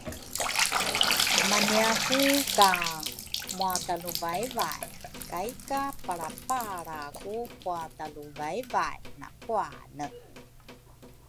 amaniaku ka mwatwaluvaivai, kaika palrapalra ku pwatwaluvaivai nakuane.